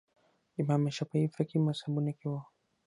امام شافعي فقهي مذهبونو کې وو